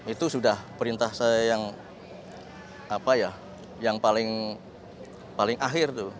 itu sudah perintah saya yang paling akhir tuh